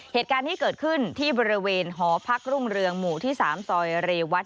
เหตุการณ์นี้เกิดขึ้นที่บริเวณหอพักรุ่งเรืองหมู่ที่๓ซอยเรวัต